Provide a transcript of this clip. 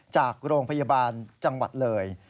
จากโรงพยาบาลจังหวัดเลย